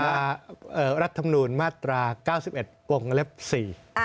มาตรารัฐำนวณมาตรา๙๑องศ์เลือก๔